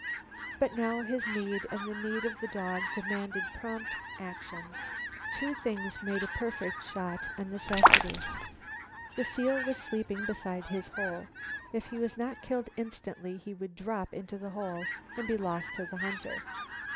But now his need and the need of the dog demanded prompt action. Two things made a perfect shot a necessity: The seal was sleeping beside his hole; if he was not killed instantly he would drop into the hole and be lost to the hunter.